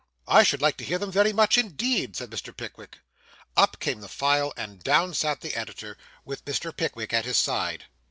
'I should like to hear them very much indeed,' said Mr. Pickwick. Up came the file, and down sat the editor, with Mr. Pickwick at his side.